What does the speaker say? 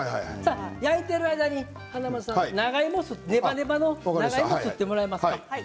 焼いている間に華丸さん長芋のネバネバすってもらえますか。